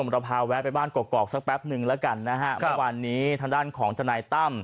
เราพาแวะไปบ้านกรอกสักแป๊บนึงแล้วกันนะฮะเมื่อวานนี้ทางด้านของทนายตั้ม